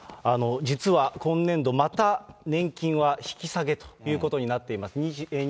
実は今年度、また年金は引き下げということになっています。